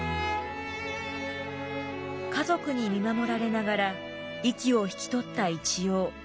家族に見守られながら息を引き取った一葉。